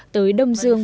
tới đông dương